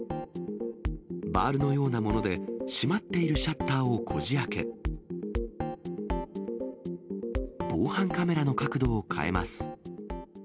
バールのようなもので、閉まっているシャッターをこじあけ、防犯カメラの角度を変えます。